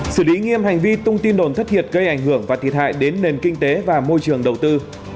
xử lý nghiêm hành vi tung tin đồn thất thiệt gây ảnh hưởng và thiệt hại đến nền kinh tế và môi trường đầu tư